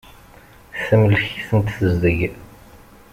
Temlek-itent tezdeg.